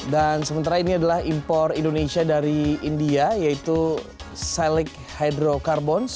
dan sementara ini adalah impor indonesia dari india yaitu silic hydrocarbons